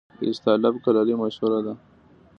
د استالف کلالي مشهوره ده